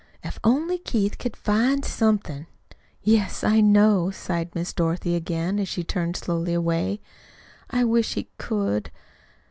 If only Keith could find somethin' " "Yes, I know," sighed Miss Dorothy again, as she turned slowly away. "I wish he could."